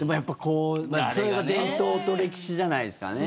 それが伝統と歴史じゃないですかね。